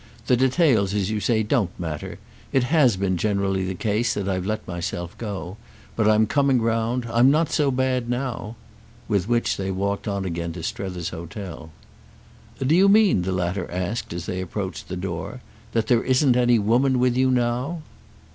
The details, as you say, don't matter. It has been generally the case that I've let myself go. But I'm coming round—I'm not so bad now." With which they walked on again to Strether's hotel. "Do you mean," the latter asked as they approached the door, "that there isn't any woman with you now?"